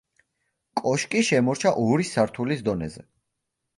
კოშკი შემორჩა ორი სართულის დონეზე.